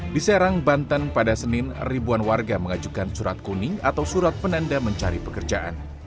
di serang banten pada senin ribuan warga mengajukan surat kuning atau surat penanda mencari pekerjaan